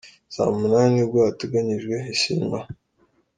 Saa munani ni bwo hateganyijwe isinywa.